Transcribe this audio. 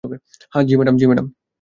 জ্বী, ম্যাডাম?